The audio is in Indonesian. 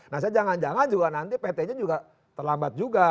nah saya jangan jangan juga nanti pt nya juga terlambat juga